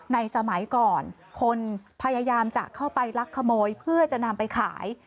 สมัยก่อนคนพยายามจะเข้าไปลักขโมยเพื่อจะนำไปขาย